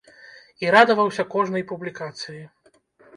І радаваўся кожнай публікацыі.